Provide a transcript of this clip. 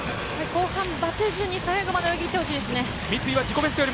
後半、ばてずに最後まで泳ぎきってほしいです。